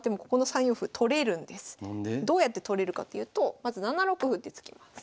どうやって取れるかっていうとまず７六歩って突きます。